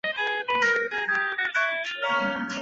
尼米兹即时要求弗莱彻将约克镇号带回中太平洋。